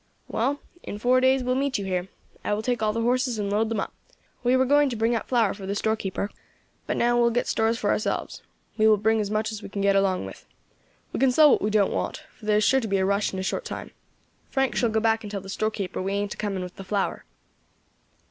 "Well, in four days we will meet you here. I will take all the horses and load them up. We were going to bring up flour for the storekeeper, but now we will get stores for ourselves. We will bring as much as we can get along with. We can sell what we don't want, for there is sure to be a rush in a short time. Frank shall go back and tell the storekeeper we ain't a coming with the flour."